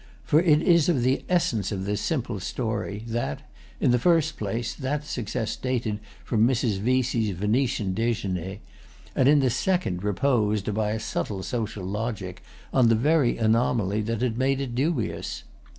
For it is of the essence of this simple history that, in the first place, that success dated from Mrs. Vesey's Venetian déjeuner, and in the second reposed, by a subtle social logic, on the very anomaly that had made it dubious.